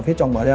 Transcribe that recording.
phía trong bỏ ra